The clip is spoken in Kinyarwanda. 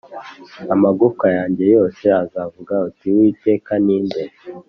Amagufwa yanjye yose azavuga ati” uwiteka ni nde?”